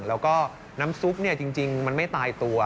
แล้วก็น้ำซุปจริงมันไม่ตายตัว